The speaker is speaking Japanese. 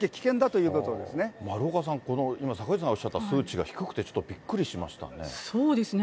丸岡さん、今、坂口さんがおっしゃった数値が低くて、ちょっとびっくりしましたそうですね。